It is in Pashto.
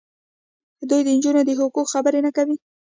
دوی د نجونو د حقونو خبرې نه کوي.